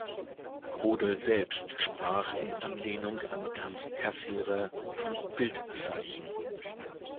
Crodel selbst sprach in Anlehnung an Ernst Cassirer von „Bildzeichen“.